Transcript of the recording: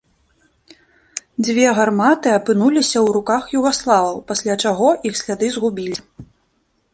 Дзве гарматы апынуліся ў руках югаславаў, пасля чаго іх сляды згубіліся.